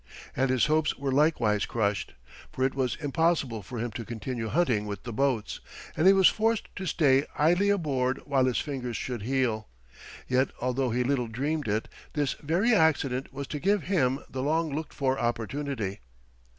And his hopes were likewise crushed, for it was impossible for him to continue hunting with the boats, and he was forced to stay idly aboard until his fingers should heal. Yet, although he little dreamed it, this very accident was to give him the long looked for opportunity.